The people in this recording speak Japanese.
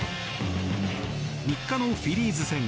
３日のフィリーズ戦。